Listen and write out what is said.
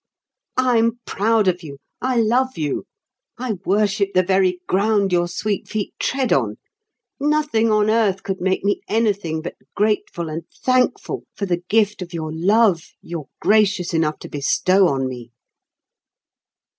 "I'm proud of you; I love you. I worship the very ground your sweet feet tread on. Nothing on earth could make me anything but grateful and thankful for the gift of your love you're gracious enough to bestow on me."